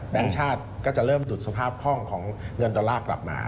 แบงค์ชาติก็จะเริ่มดูดสภาพคล่องของเงินตลาดกลับมา